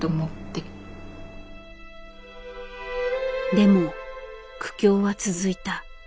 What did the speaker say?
でも苦境は続いた。